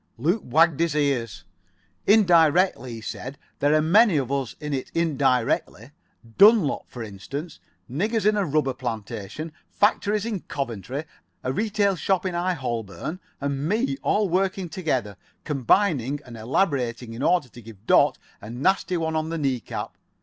Luke wagged his ears. "Indirectly," he said. "There are many of us in it indirectly. Dunlop, for instance. Niggers in a rubber plantation. Factories in Coventry. A retail shop in High Holborn. And me. All working together. Combining and elaborating in order to give Dot a nasty one on the knee cap.